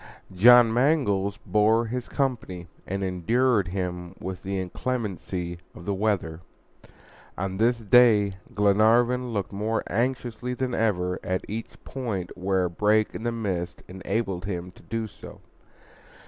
John Mangles bore him company, and endured with him the inclemency of the weather. On this day Glenarvan looked more anxiously than ever at each point where a break in the mist enabled him to do so.